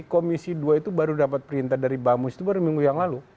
komisi dua itu baru dapat perintah dari bamus itu baru minggu yang lalu